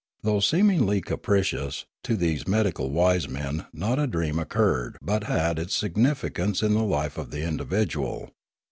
Though seemingly capricious, to these medical wise men not a dream occurred but had its significance in the life of the individual.